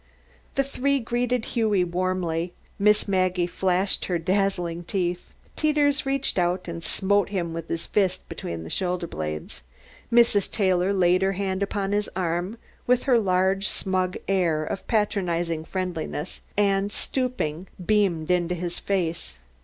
The three greeted Hughie warmly. Miss Maggie flashed her dazzling teeth; Teeters reached out and smote him with his fist between the shoulder blades; Mrs. Taylor laid her hand upon his arm with her large smug air of patronizing friendliness, and, stooping, beamed into his face.